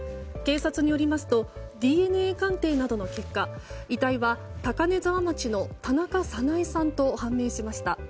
警察によりますとＤＮＡ鑑定などの結果遺体は高根沢町の田中早苗さんと判明しました。